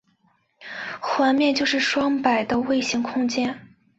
环面就是双摆的位形空间。